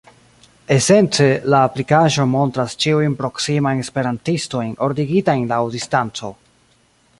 Esence, la aplikaĵo montras ĉiujn proksimajn esperantistojn ordigitajn laŭ distanco.